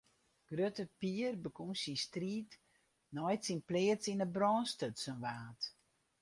Grutte Pier begûn syn striid nei't syn pleats yn 'e brân stutsen waard.